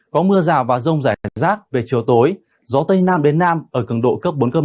có mưa rào và rông rải rác về chiều tối gió tây nam đến nam ở cường độ cấp bốn năm